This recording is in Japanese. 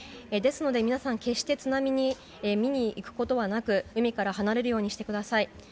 ですので皆さん決して津波を見に行くことはなく海から離れるようにしてください。